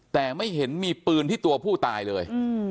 แต่ไม่เห็นมีปืนที่ตัวผู้ตายเลย